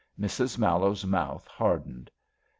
Mrs. Mallowe's mouth hardened.